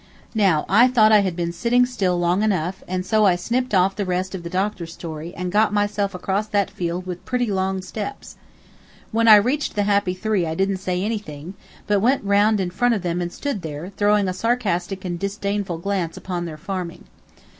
Now, I thought I had been sitting still long enough, and so I snipped off the rest of the doctor story and got myself across that field with pretty long steps. When I reached the happy three I didn't say anything, but went round in front of them and stood there, throwing a sarcastic and disdainful glance upon their farming.